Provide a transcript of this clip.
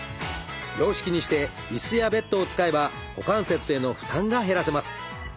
洋式にして椅子やベッドを使えば股関節への負担が減らせます。